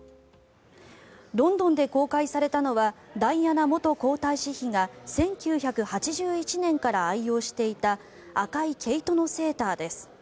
ロンドンで公開されたのはダイアナ元皇太子妃が１９８１年から愛用していた赤い毛糸のセーターです。